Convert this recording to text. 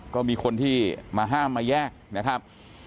ก็มีคนที่มาห้ามมาแยกนะครับ